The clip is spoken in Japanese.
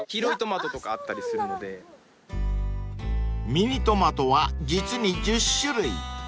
［ミニトマトは実に１０種類］